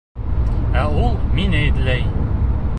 Ә ул миңә эҙләй.